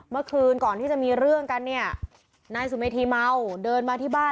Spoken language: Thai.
เมื่อคืนก่อนที่จะมีเรื่องกันเนี่ยนายสุเมธีเมาเดินมาที่บ้าน